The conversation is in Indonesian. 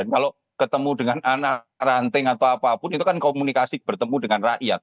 kalau ketemu dengan anak ranting atau apapun itu kan komunikasi bertemu dengan rakyat